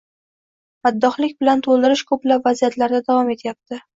maddohlik bilan to‘ldirish ko‘plab vaziyatlarda davom etyapti.